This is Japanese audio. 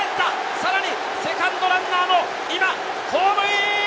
さらにセカンドランナーの今ホームイン。